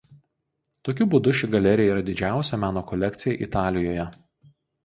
Tokiu būdu ši galerija yra didžiausia meno kolekcija Italijoje.